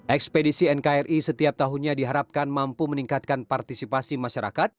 ekspedisi nkri setiap tahunnya diharapkan mampu meningkatkan partisipasi masyarakat